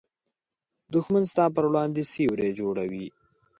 دښمن ستا پر وړاندې سیوری جوړوي